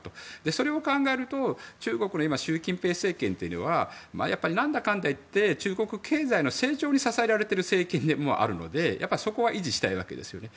それを考えると中国の習近平政権というのはやっぱり何だかんだいって中国経済の成長に支えられている政権でもあるのでそこは維持したいわけですよね。